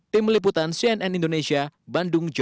tim liputan cnn indonesia bandung jawa barat